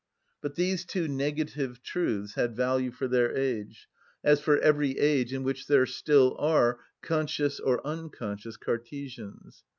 But these two negative truths had value for their age, as for every age in which there still are conscious or unconscious Cartesians.